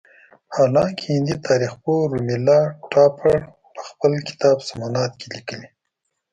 حالانکه هندي تاریخ پوه رومیلا تاپړ په خپل کتاب سومنات کې لیکلي.